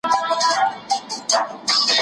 علي بن ابي طالب د ځوانانو لپاره د میړانې الګو دی.